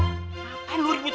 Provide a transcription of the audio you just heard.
apaan lo ribut di sini